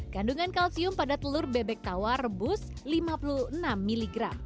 kandungan kalsium pada telur bebek tawar rebus lima puluh enam mg